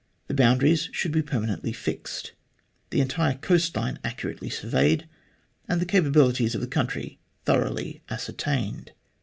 The boundaries should be permanently fixed, the entire coast line accurately surveyed, and the capabilities of the country thoroughly ascertained.